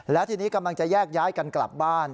และทีนี้กำลังจะแยกย้ายกันกลับบ้าน